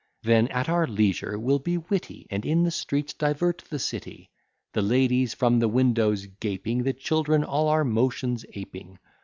Then at our leisure we'll be witty, And in the streets divert the city; The ladies from the windows gaping, The children all our motions aping.